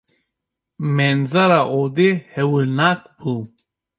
Menzera odê hewilnak bû.